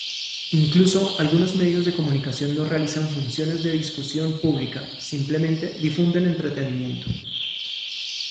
Incluso algunos medios de comunicación no realizan funciones de discusión pública, simplemente difunden entretenimiento.